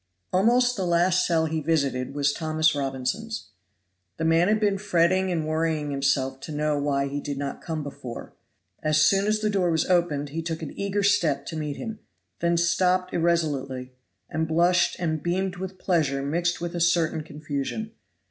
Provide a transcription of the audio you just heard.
Almost the last cell he visited was Thomas Robinson's. The man had been fretting and worrying himself to know why he did not come before. As soon as the door was opened he took an eager step to meet him, then stopped irresolutely, and blushed and beamed with pleasure mixed with a certain confusion.